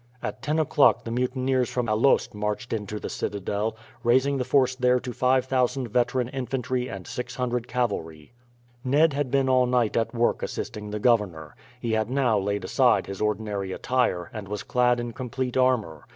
At ten o'clock the mutineers from Alost marched into the citadel, raising the force there to 5000 veteran infantry and 600 cavalry. Ned had been all night at work assisting the governor. He had now laid aside his ordinary attire, and was clad in complete armour.